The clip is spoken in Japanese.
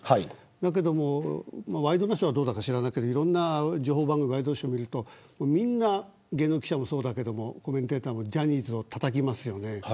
だけどもワイドナショーはどうだか知らないけどいろんな情報番組を見るとみんな芸能記者もそうだけどコメンテーターもジャニーズをたたきますよね。